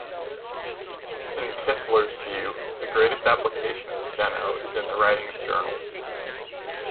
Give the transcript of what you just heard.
In Kistler's view, the greatest application of Steno is in the writing of journals.